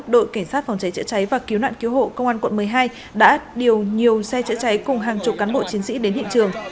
đội cảnh sát phòng cháy chữa cháy và cứu nạn cứu hộ công an quận một mươi hai đã điều nhiều xe chữa cháy cùng hàng chục cán bộ chiến sĩ đến hiện trường